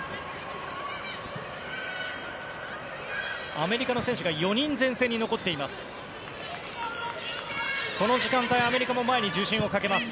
アメリカの選手が４人前線に残っています。